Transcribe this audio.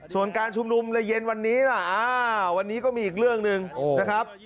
ส่วนการชุมนุมเลยเย็นวันนี้ล่ะวันนี้ก็มีอีกเรื่องหนึ่งนะครับ